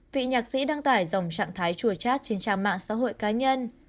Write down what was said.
vị nhạc sĩ đăng tải dòng trạng thái chùa chat trên trang mạng xã hội cá nhân